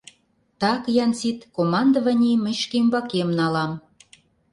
Так, Янсит, командованийым мый шке ӱмбакем налам!